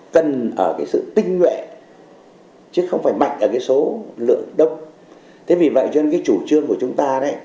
cần ở cái sự tinh nguyện chứ không phải mạnh ở cái số lượng đông thế vì vậy cho nên cái chủ trương của chúng ta